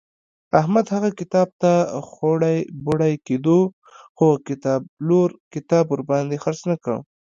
احمد هغه کتاب ته خوړی بوړی کېدو خو کتابپلور کتاب ورباندې خرڅ نه کړ.